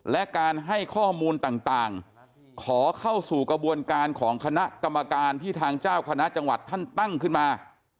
และการให้ข้อมูลต่างขอเข้าสู่กระบวนการของคณะกรรมการที่ทางเจ้าคณะจังหวัดท่านตั้งขึ้นมา